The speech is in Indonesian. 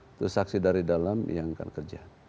itu saksi dari dalam yang akan kerja